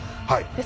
はい。